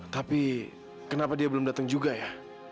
tapi kenapa dia belum datang juga ya